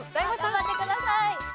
頑張ってください。